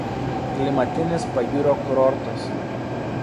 Klimatinis pajūrio kurortas.